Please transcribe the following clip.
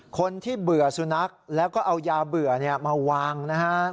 คนที่เบื่อสุนัขแล้วก็เอายาเบื่อมาวางนะครับ